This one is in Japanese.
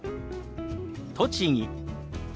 「栃木」。